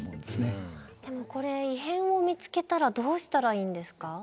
でもこれ異変を見つけたらどうしたらいいんですか？